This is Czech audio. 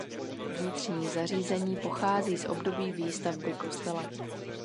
Vnitřní zařízení pochází z období výstavby kostela.